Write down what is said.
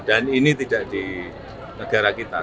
dan ini tidak di negara kita